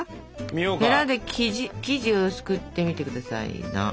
へらで生地をすくってみて下さいな。